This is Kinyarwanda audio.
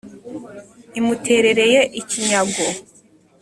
imuterereye ikinyago.